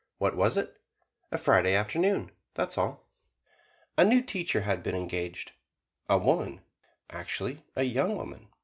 What was it? A Friday Afternoon, that's all. A new teacher had been engaged a woman, actually a young woman.